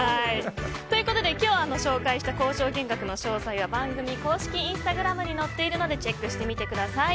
今日紹介した工場見学の詳細は番組公式インスタグラムに載っているのでチェックしてみてください。